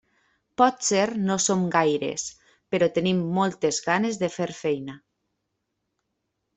Potser no som gaires, però tenim moltes ganes de fer feina.